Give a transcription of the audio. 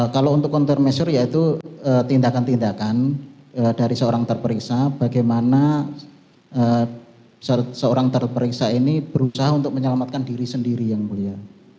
kalau untuk counter measure yaitu tindakan tindakan dari seorang terperiksa bagaimana seorang terperiksa ini berusaha untuk menyelamatkan diri sendiri yang mulia